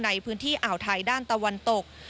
ในพื้นที่อ่าวไทยด้านตะวันตก